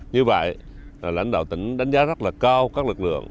như vậy lãnh đạo tỉnh đánh giá rất là cao các lực lượng